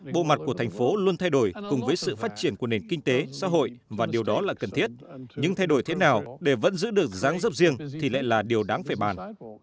bộ mặt của thành phố luôn thay đổi cùng với sự phát triển của nền kinh tế xã hội và điều đó là cần thiết nhưng thay đổi thế nào để vẫn giữ được giáng dấp riêng thì lại là điều đáng phải bàn